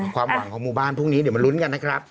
ความหวังของหมู่บ้านพรุ่งนี้เดี๋ยวมาลุ้นกันนะครับ